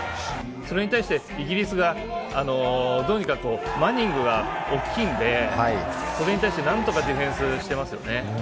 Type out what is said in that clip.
それに対してイギリスがどうにかマニングが大きいので、それに対して何とかディフェンスしていますね。